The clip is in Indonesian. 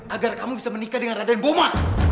agar kamu bisa menikah dengan raden boma